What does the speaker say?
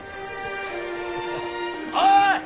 おい！